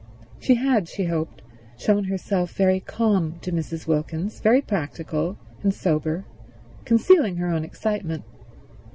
She had, she hoped, shown herself very calm to Mrs. Wilkins, very practical and sober, concealing her own excitement.